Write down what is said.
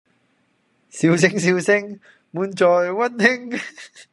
笑聲笑聲，滿載溫馨